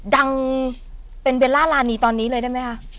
ดังเป็นเบลล่ารานีตอนนี้เลยได้ไหมคะ